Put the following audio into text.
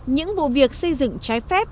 những vụ việc xây dựng trái phép